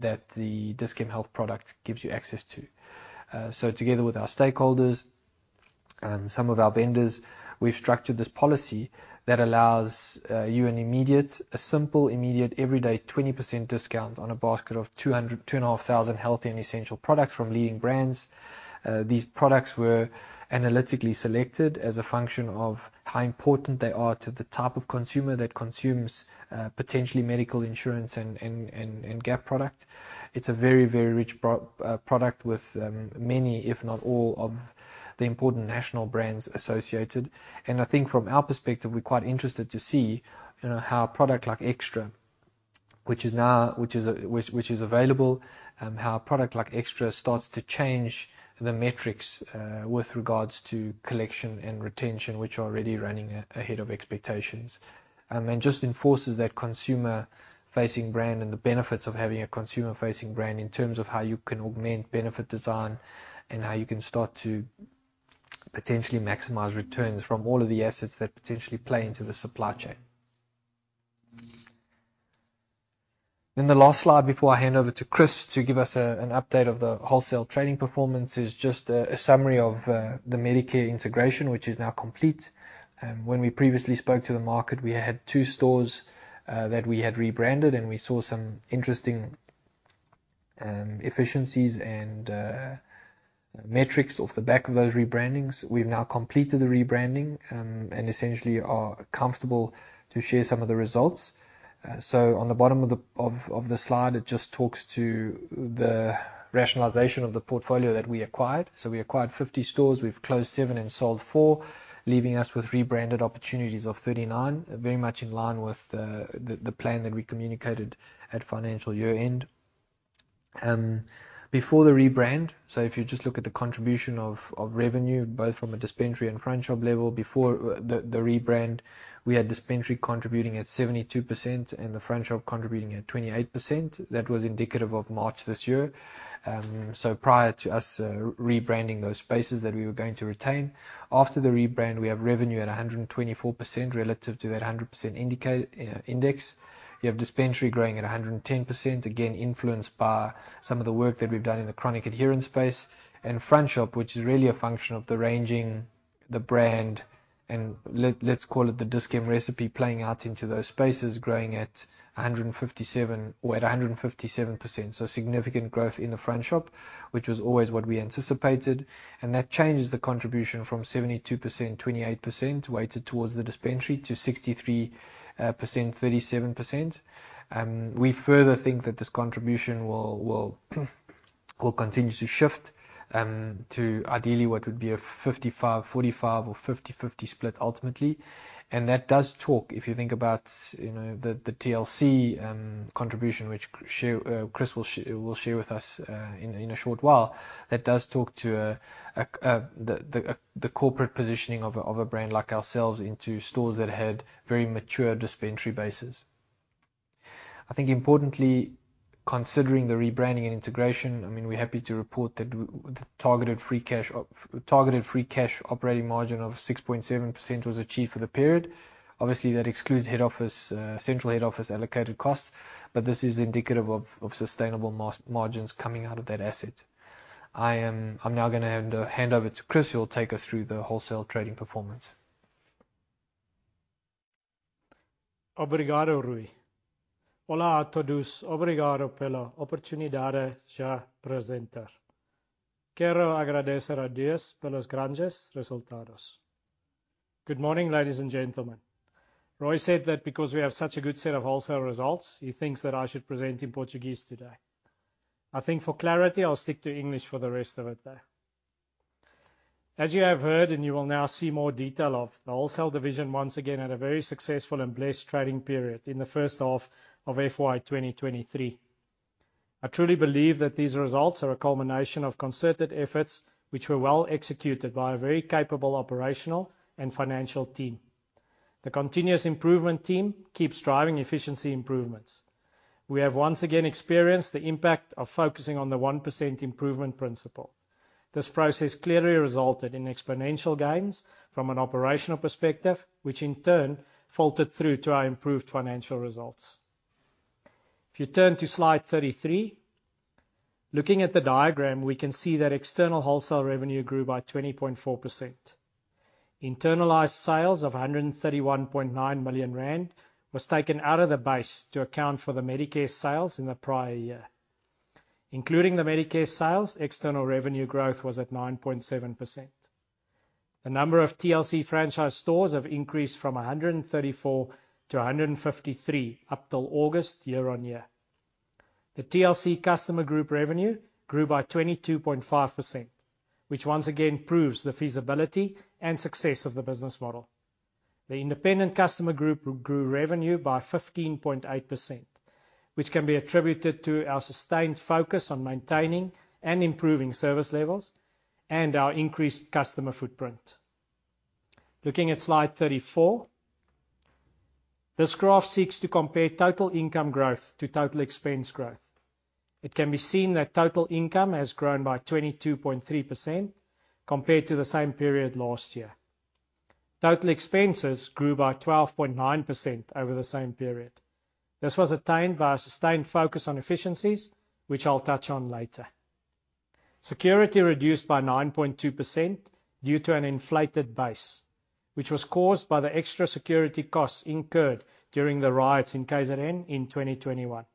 that the Dis-Chem Health product gives you access to. Together with our stakeholders, some of our vendors, we've structured this policy that allows you a simple, immediate, everyday 20% discount on a basket of 2,500 healthy and essential products from leading brands. These products were analytically selected as a function of how important they are to the type of consumer that consumes potentially medical insurance and gap product. It's a very rich product with many if not all of the important national brands associated. I think from our perspective, we're quite interested to see, you know, how a product like Extra, which is now available, starts to change the metrics with regards to collection and retention, which are already running ahead of expectations. Just enforces that consumer-facing brand and the benefits of having a consumer-facing brand in terms of how you can augment benefit design and how you can start to potentially maximize returns from all of the assets that potentially play into the supply chain. The last slide before I hand over to Chris to give us an update of the wholesale trading performance is just a summary of the Medicare integration, which is now complete. When we previously spoke to the market, we had two stores that we had rebranded, and we saw some interesting efficiencies and metrics off the back of those rebrandings. We've now completed the rebranding and essentially are comfortable to share some of the results. On the bottom of the slide, it just talks to the rationalization of the portfolio that we acquired. We acquired 50 stores. We've closed seven and sold four, leaving us with rebranded opportunities of 39. Very much in line with the plan that we communicated at financial year-end. Before the rebrand, if you just look at the contribution of revenue, both from a dispensary and front shop level, before the rebrand, we had dispensary contributing at 72% and the front shop contributing at 28%. That was indicative of March this year, so prior to us rebranding those spaces that we were going to retain. After the rebrand, we have revenue at 124% relative to that 100% index. You have dispensary growing at 110%, again, influenced by some of the work that we've done in the chronic adherence space. Front shop, which is really a function of the ranging, the brand, and let's call it the Dis-Chem recipe playing out into those spaces, growing at 157%, or at 157%. Significant growth in the front shop, which was always what we anticipated. That changes the contribution from 72%, 28% weighted towards the dispensary to 63%, 37%. We further think that this contribution will continue to shift to ideally what would be a 55/45 or 50/50 split ultimately. That does talk if you think about, you know, the TLC contribution, which Chris will share with us in a short while. That does talk to the corporate positioning of a brand like ourselves into stores that had very mature dispensary bases. I think importantly, considering the rebranding and integration, I mean, we're happy to report that the targeted free cash operating margin of 6.7% was achieved for the period. Obviously, that excludes head office central head office allocated costs, but this is indicative of sustainable margins coming out of that asset. I'm now gonna hand over to Chris, who will take us through the wholesale trading performance. Good morning, ladies and gentlemen. Rui Morais said that because we have such a good set of wholesale results, he thinks that I should present in Portuguese today. I think for clarity, I'll stick to English for the rest of it, though. As you have heard, and you will now see more detail of the wholesale division once again at a very successful and blessed trading period in the first half of FY 2023. I truly believe that these results are a culmination of concerted efforts which were well executed by a very capable operational and financial team. The continuous improvement team keeps driving efficiency improvements. We have once again experienced the impact of focusing on the 1% improvement principle. This process clearly resulted in exponential gains from an operational perspective, which in turn flowed through to our improved financial results. If you turn to Slide 33, looking at the diagram, we can see that external wholesale revenue grew by 20.4%. Internalized sales of 131.9 million rand was taken out of the base to account for the Medicare sales in the prior year. Including the Medicare sales, external revenue growth was at 9.7%. The number of TLC franchise stores have increased from 134-153 up till August year-on-year. The TLC customer group revenue grew by 22.5%, which once again proves the feasibility and success of the business model. The independent customer group grew revenue by 15.8%, which can be attributed to our sustained focus on maintaining and improving service levels and our increased customer footprint. Looking at Slide 34, this graph seeks to compare total income growth to total expense growth. It can be seen that total income has grown by 22.3% compared to the same period last year. Total expenses grew by 12.9% over the same period. This was attained by a sustained focus on efficiencies, which I'll touch on later. Security reduced by 9.2% due to an inflated base, which was caused by the extra security costs incurred during the riots in KZN in 2021.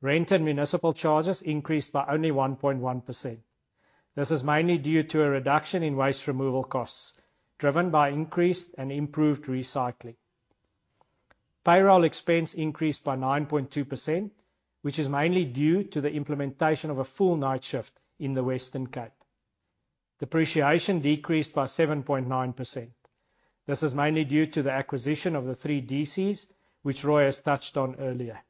Rent and municipal charges increased by only 1.1%. This is mainly due to a reduction in waste removal costs driven by increased and improved recycling. Payroll expense increased by 9.2%, which is mainly due to the implementation of a full night shift in the Western Cape. Depreciation decreased by 7.9%. This is mainly due to the acquisition of the 3 DCs, which Rui Morais has touched on earlier.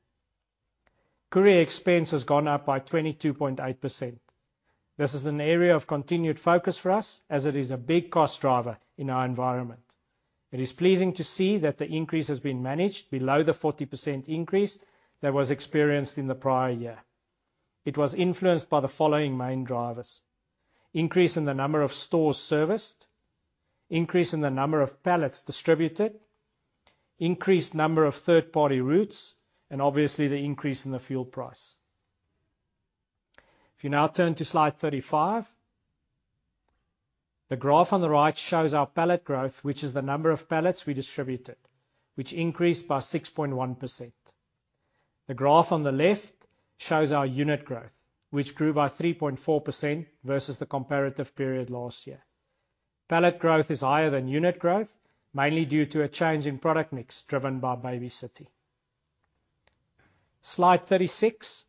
Courier expense has gone up by 22.8%. This is an area of continued focus for us as it is a big cost driver in our environment. It is pleasing to see that the increase has been managed below the 40% increase that was experienced in the prior year. It was influenced by the following main drivers: increase in the number of stores serviced, increase in the number of pallets distributed, increased number of third party routes, and obviously the increase in the fuel price. If you now turn to Slide 35, the graph on the right shows our pallet growth, which is the number of pallets we distributed, which increased by 6.1%. The graph on the left shows our unit growth, which grew by 3.4% versus the comparative period last year. Pallet growth is higher than unit growth, mainly due to a change in product mix driven by Baby City. Slide 36.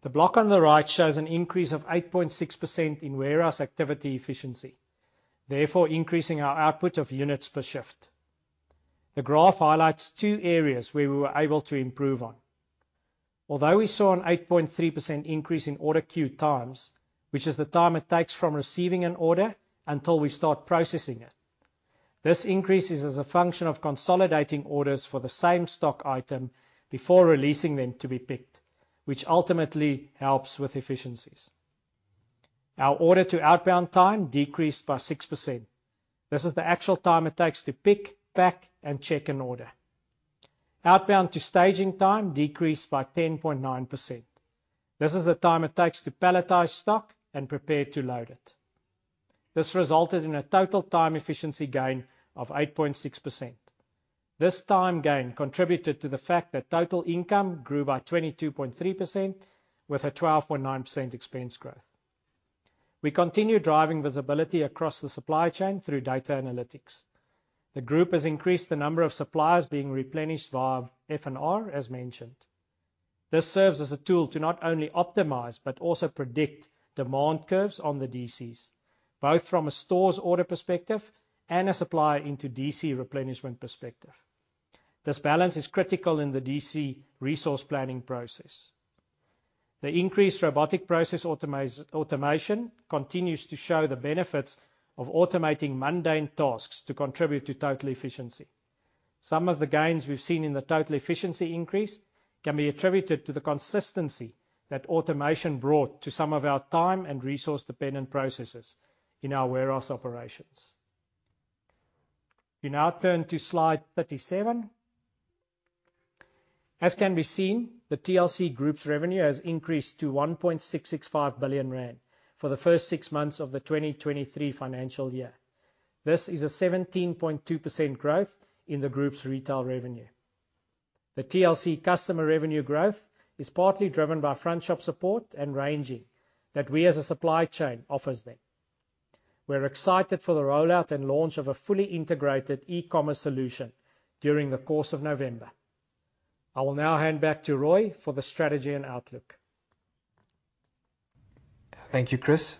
The block on the right shows an increase of 8.6% in warehouse activity efficiency, therefore increasing our output of units per shift. The graph highlights two areas where we were able to improve on. Although we saw an 8.3% increase in order queue times, which is the time it takes from receiving an order until we start processing it. This increase is as a function of consolidating orders for the same stock item before releasing them to be picked, which ultimately helps with efficiencies. Our order to outbound time decreased by 6%. This is the actual time it takes to pick, pack, and check an order. Outbound to staging time decreased by 10.9%. This is the time it takes to palletize stock and prepare to load it. This resulted in a total time efficiency gain of 8.6%. This time gain contributed to the fact that total income grew by 22.3% with a 12.9% expense growth. We continue driving visibility across the supply chain through data analytics. The group has increased the number of suppliers being replenished via FNR, as mentioned. This serves as a tool to not only optimize, but also predict demand curves on the DCs, both from a store's order perspective and a supplier into DC replenishment perspective. This balance is critical in the DC resource planning process. The increased robotic process automation continues to show the benefits of automating mundane tasks to contribute to total efficiency. Some of the gains we've seen in the total efficiency increase can be attributed to the consistency that automation brought to some of our time and resource dependent processes in our warehouse operations. We now turn to Slide 37. As can be seen, the TLC Group's revenue has increased to 1.665 billion rand for the first six months of the 2023 financial year. This is a 17.2% growth in the group's retail revenue. The TLC customer revenue growth is partly driven by front shop support and ranging that we as a supply chain offers them. We're excited for the rollout and launch of a fully integrated e-commerce solution during the course of November. I will now hand back to Rui Morais for the strategy and outlook. Thank you, Chris.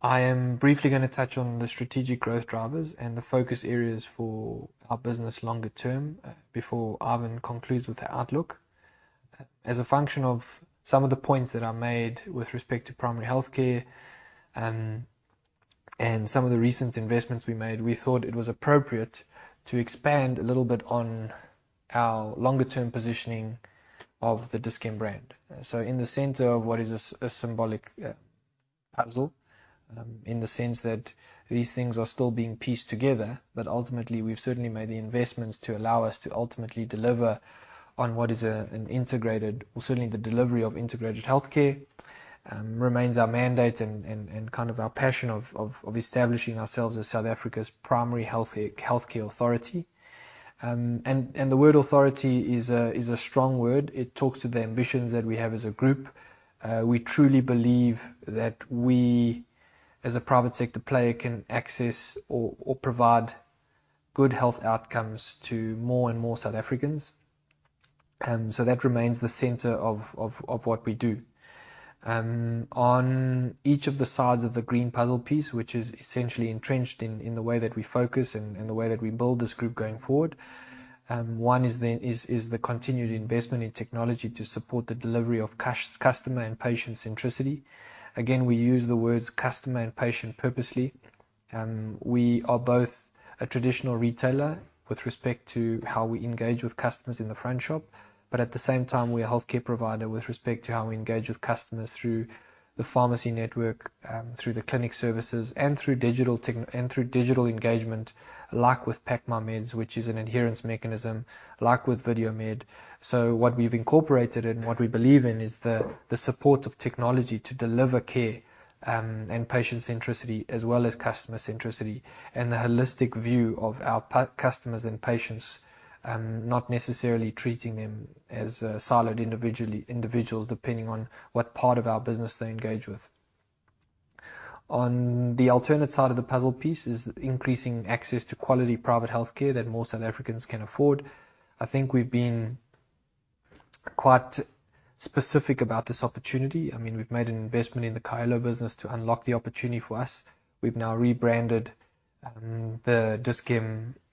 I am briefly gonna touch on the strategic growth drivers and the focus areas for our business longer term before Ivan Saltzman concludes with her outlook. As a function of some of the points that are made with respect to primary healthcare, and some of the recent investments we made, we thought it was appropriate to expand a little bit on our longer term positioning of the Dis-Chem brand. In the center of what is a symbolic puzzle, in the sense that these things are still being pieced together, but ultimately, we've certainly made the investments to allow us to ultimately deliver on what is an integrated delivery of healthcare. Well, certainly the delivery of integrated healthcare remains our mandate and kind of our passion of establishing ourselves as South Africa's primary healthcare authority. The word authority is a strong word. It talks to the ambitions that we have as a group. We truly believe that we, as a private sector player, can access or provide good health outcomes to more and more South Africans. That remains the center of what we do. On each of the sides of the green puzzle piece, which is essentially entrenched in the way that we focus and the way that we build this group going forward, one is the continued investment in technology to support the delivery of customer and patient centricity. Again, we use the words customer and patient purposely. We are both a traditional retailer with respect to how we engage with customers in the front shop, but at the same time, we're a healthcare provider with respect to how we engage with customers through the pharmacy network, through the clinic services and through digital engagement, like with Pack My Meds, which is an adherence mechanism, like with VideoMed. What we've incorporated and what we believe in is the support of technology to deliver care, and patient centricity as well as customer centricity, and the holistic view of our customers and patients, not necessarily treating them as siloed individuals, depending on what part of our business they engage with. On the alternate side of the puzzle piece is increasing access to quality private healthcare that more South Africans can afford. I think we've been quite specific about this opportunity. I mean, we've made an investment in the Kaelo business to unlock the opportunity for us. We've now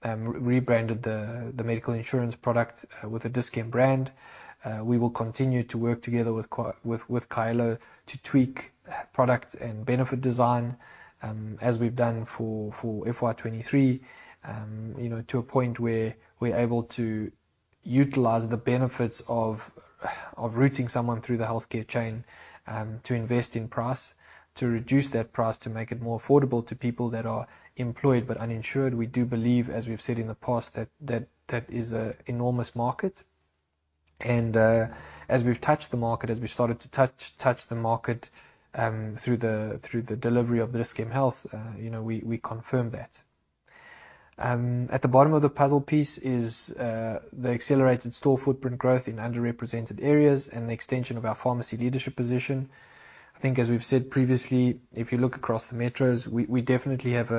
rebranded the medical insurance product with the Dis-Chem brand. We will continue to work together with Kaelo to tweak product and benefit design, as we've done for FY 2023, you know, to a point where we're able to utilize the benefits of routing someone through the healthcare chain, to invest in price, to reduce that price to make it more affordable to people that are employed but uninsured. We do believe, as we've said in the past, that is an enormous market. As we started to touch the market through the delivery of the Dis-Chem Health, you know, we confirm that. At the bottom of the puzzle piece is the accelerated store footprint growth in underrepresented areas and the extension of our pharmacy leadership position. I think as we've said previously, if you look across the metros, we definitely have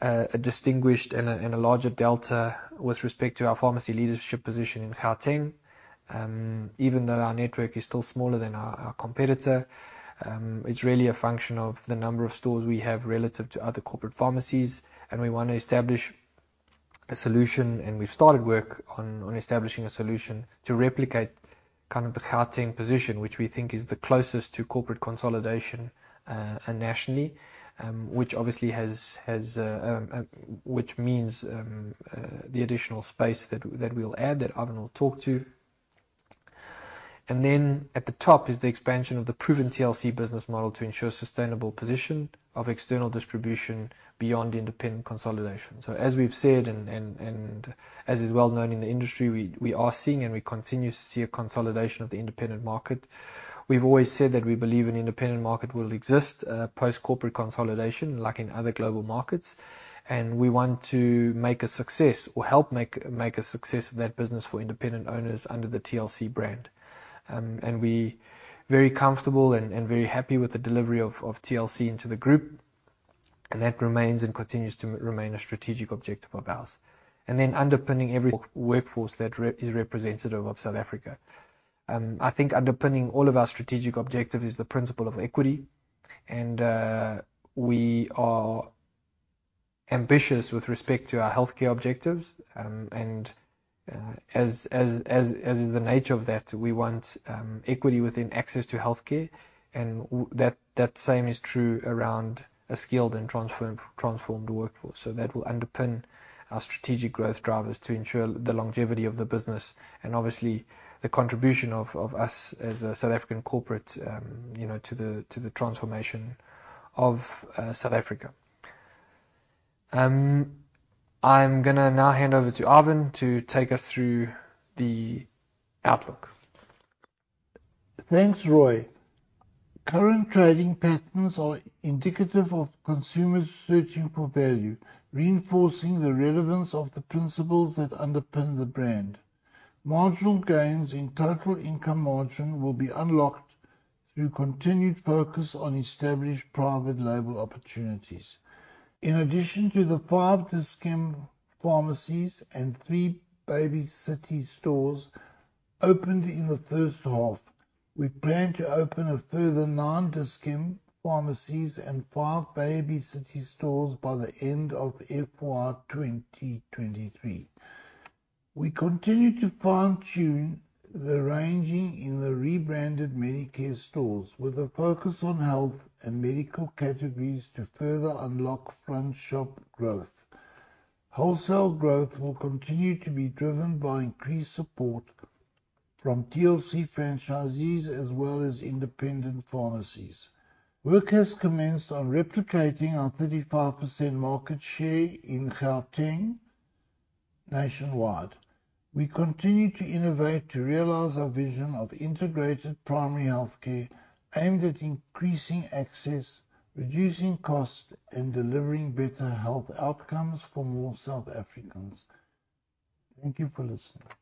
a distinguished and a larger delta with respect to our pharmacy leadership position in Gauteng. Even though our network is still smaller than our competitor, it's really a function of the number of stores we have relative to other corporate pharmacies, and we want to establish a solution, and we've started work on establishing a solution to replicate kind of the Gauteng position, which we think is the closest to corporate consolidation nationally. Which obviously has which means the additional space that we'll add that Ivan will talk to. Then at the top is the expansion of the proven TLC business model to ensure sustainable position of external distribution beyond independent consolidation. As we've said and as is well known in the industry, we are seeing and we continue to see a consolidation of the independent market. We've always said that we believe an independent market will exist, post corporate consolidation, like in other global markets. We want to make a success or help make a success of that business for independent owners under the TLC brand. We're very comfortable and very happy with the delivery of TLC into the group, and that remains and continues to remain a strategic objective of ours. Underpinning every workforce that is representative of South Africa. I think underpinning all of our strategic objective is the principle of equity, and we are ambitious with respect to our healthcare objectives. As is the nature of that, we want equity within access to healthcare. That same is true around a skilled and transformed workforce. That will underpin our strategic growth drivers to ensure the longevity of the business and obviously the contribution of us as a South African corporate, you know, to the transformation of South Africa. I'm gonna now hand over to Ivan Saltzman to take us through the outlook. Thanks, Rui Morais. Current trading patterns are indicative of consumers searching for value, reinforcing the relevance of the principles that underpin the brand. Marginal gains in total income margin will be unlocked through continued focus on established private label opportunities. In addition to the five Dis-Chem pharmacies and three Baby City stores opened in the first half, we plan to open a further 9 Dis-Chem pharmacies and five Baby City stores by the end of FY 2023. We continue to fine-tune the ranging in the rebranded Medicare stores with a focus on health and medical categories to further unlock front shop growth. Wholesale growth will continue to be driven by increased support from TLC franchisees as well as independent pharmacies. Work has commenced on replicating our 35% market share in Gauteng nationwide. We continue to innovate to realize our vision of integrated primary healthcare aimed at increasing access, reducing costs, and delivering better health outcomes for more South Africans. Thank you for listening.